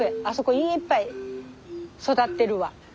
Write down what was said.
あそこいっぱい育ってるわ。